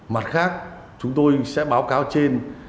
mặt khác chúng tôi sẽ báo cáo trên